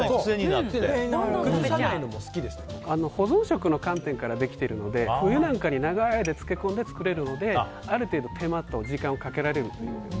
保存食の観点からできてるので冬なんかに長い間漬け込んで作るのである程度手間と時間をかけられるという。